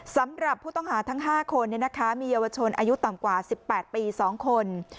สำหรับผู้ต้องหาทั้ง๕คนมีเยาวชนอายุต่ำกว่า๑๘ปี๒คน